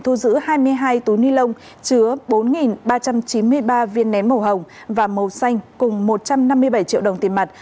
thu giữ hai mươi hai túi ni lông chứa bốn ba trăm chín mươi ba viên nén màu hồng và màu xanh cùng một trăm năm mươi bảy triệu đồng tiền mặt